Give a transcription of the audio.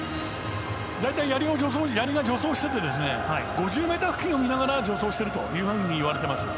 大体、やりは助走してて５０ｍ付近を見ながら助走していると言われています。